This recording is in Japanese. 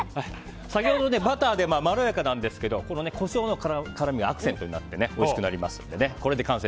先ほど、バターでまろやかなんですけどもコショウの辛みがアクセントになっておいしくなります。